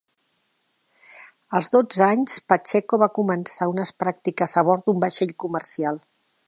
Als dotze anys, Pacheco va començar unes pràctiques a bord d'un vaixell comercial.